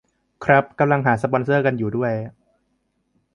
ครับ กำลังหาสปอนเซอร์กันอยู่ด้วย